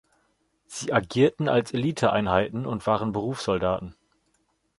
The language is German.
Sie agierten als Eliteeinheiten und waren Berufssoldaten.